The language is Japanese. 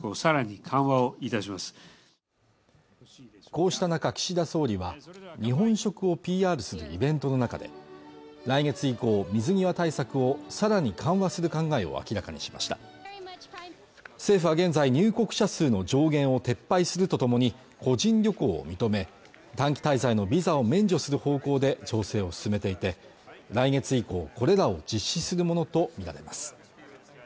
こうした中岸田総理は日本食をＰＲするイベントの中で来月以降水際対策をさらに緩和する考えを明らかにしました政府は現在入国者数の上限を撤廃するとともに個人旅行を認め短期滞在のビザを免除する方向で調整を進めていて来月以降これらを実施するものと見られます